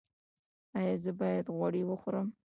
ایا زه باید غوړي وخورم؟